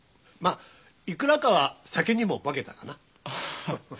まっいくらかは酒にも化けたがな。